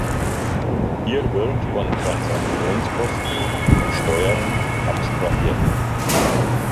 Hier wird von Transaktionskosten und Steuern abstrahiert.